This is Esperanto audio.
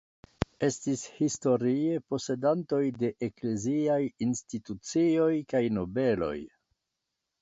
Estis historie posedantoj de ekleziaj institucioj kaj nobeloj.